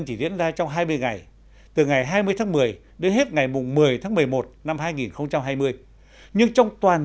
chỉ diễn ra trong hai mươi ngày từ ngày hai mươi tháng một mươi đến hết ngày một mươi tháng một mươi một năm hai nghìn hai mươi nhưng trong toàn